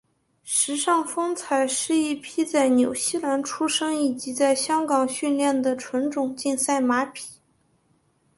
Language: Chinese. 时尚风采是一匹在纽西兰出生以及在香港训练的纯种竞赛马匹。